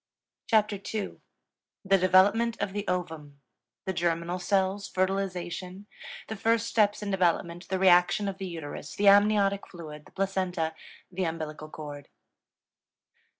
CHAPTER II THE DEVELOPMENT OF THE OVUM The Germinal Cells Fertilization The First Steps in Development The Reaction of the Uterus The Amniotic Fluid The Placenta The Umbilical Cord.